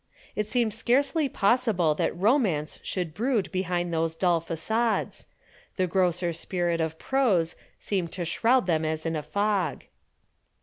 It seemed scarcely possible that romance should brood behind those dull façades; the grosser spirit of prose seemed to shroud them as in a fog.